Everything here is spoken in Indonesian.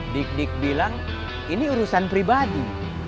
dik dik bilang ini urusan pribadi